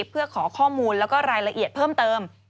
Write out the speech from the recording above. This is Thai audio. เพื่อขอข้อมูลแล้วก็รายละเอียดเพิ่มเติม